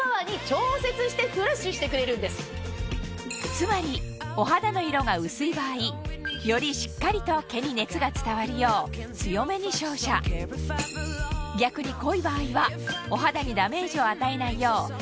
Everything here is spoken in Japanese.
つまりお肌の色が薄い場合よりしっかりと毛に熱が伝わるよう強めに照射逆に濃い場合はお肌にダメージを与えないよう照射力を抑えてくれるんです